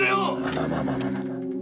まあまあまあまあ。